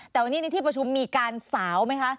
แต่วันนี้ในที่ประชุมมีการสาวไหมคะ